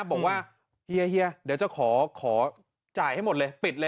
เฮียเดี๋ยวจะขอจ่ายให้หมดเลยปิดเลย